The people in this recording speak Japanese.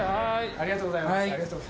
ありがとうございます。